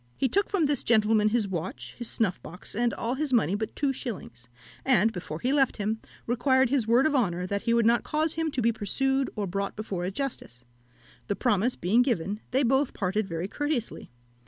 He took from this gentleman his watch, his snuff box, and all his money but two shillings, and, before he left him, required his word of honour that he would not cause him to be pursued or brought before a justice. The promise being given, they both parted very courteously.